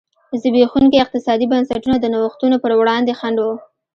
زبېښونکي اقتصادي بنسټونه د نوښتونو پر وړاندې خنډ و.